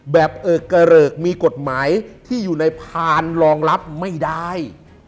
เอิกกระเริกมีกฎหมายที่อยู่ในพานรองรับไม่ได้